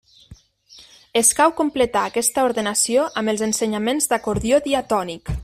Escau completar aquesta ordenació amb els ensenyaments d'acordió diatònic.